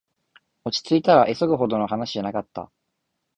落ちついたら、急ぐほどの話じゃなかった